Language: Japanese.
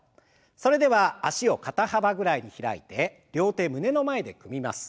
それでは脚を肩幅ぐらいに開いて両手胸の前で組みます。